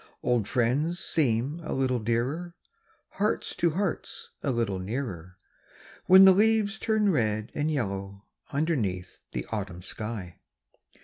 d Old 'friends seem a little dearer; Hearts to Hearts a little nearer, ( ADhen the leases turn red and Ljello^ Underneath the Autumn shij.